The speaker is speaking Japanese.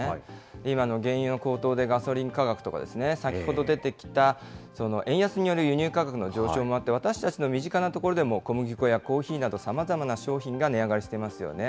今の原油の高騰でガソリン価格とか、先ほど出てきた、円安による輸入価格の上昇もあって、私たちの身近なところでも小麦粉やコーヒーなど、さまざまな商品が値上がりしていますよね。